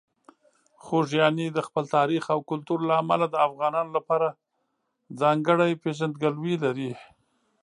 خوږیاڼي د خپل تاریخ او کلتور له امله د افغانانو لپاره ځانګړې پېژندګلوي لري.